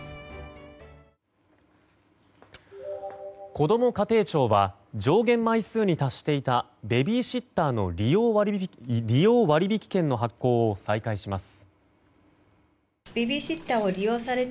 こども家庭庁は上限枚数に達していたベビーシッターの利用割引券の発行を再開します。